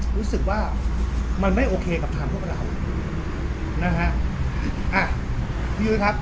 รู้สึกว่ามันไม่โอเคกับทางพวกเรานะฮะอ่ะพี่ยุ้ยครับ